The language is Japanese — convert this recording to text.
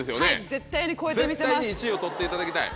絶対に１位を取っていただきたい。